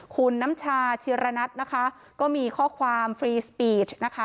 คุณน้ำชาชีระนัทนะคะก็มีข้อความฟรีสปีดนะคะ